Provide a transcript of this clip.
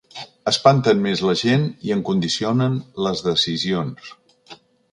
Espanten més la gent i en condicionen les decisions.